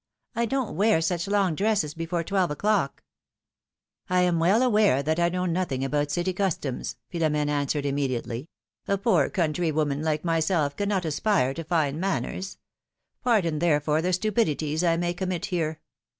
I don't wear such long dresses before twelve o'clock." I am w'ell aware that I know nothing about city cus toms," Philom«^ne answered immediately ; '^a poor country woman like myself cannot aspire to fine manners; pardon, therefore, the stupidities I may commit here.